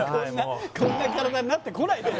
こんな体になってこないでよ